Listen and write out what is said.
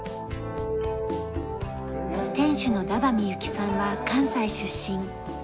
店主の駄馬みゆきさんは関西出身。